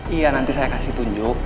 iya nanti saya kasih tunjuk